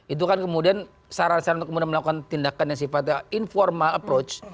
itu kan kemudian saran saran untuk kemudian melakukan tindakan yang sifatnya informal approach